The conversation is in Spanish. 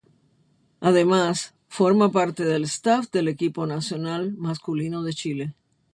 Además, forma parte del staff del equipo nacional masculino de Chile.